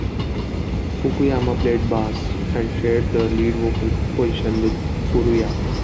Fukuyama played bass and shared the lead vocal position with Furuya.